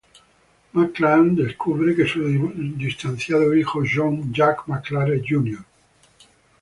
McClane descubre que su distanciado hijo John ""Jack"" McClane, Jr.